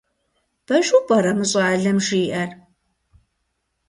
Пэжу пӀэрэ мы щӏалэм жиӀэр?